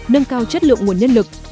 nâng cao chất lượng nguồn nhân lực